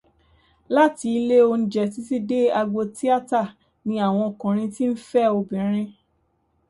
Láti ilé oúnjẹ títí dé àgbo tíátà ni àwọn ọkùnrin tí n fẹ́ obìnrin